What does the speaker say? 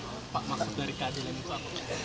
maksud dari keadilan apa